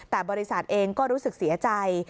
แต่บริษัทเองก็รู้สึกเสียใจ